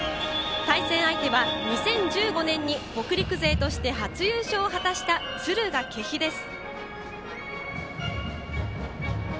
対戦相手は、２０１５年に北陸勢として初優勝を果たした敦賀気比です。